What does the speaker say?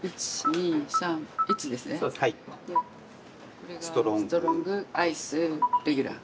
これがストロングアイスレギュラー。